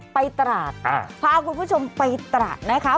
ตราดพาคุณผู้ชมไปตราดนะคะ